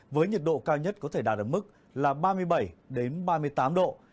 với nhiệt độ cao nhất có thể đạt được mức là ba mươi bảy ba mươi tám độ